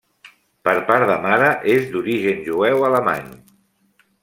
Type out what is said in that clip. Per part de mare, és d'origen jueu alemany.